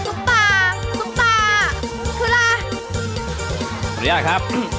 อุลียะครับ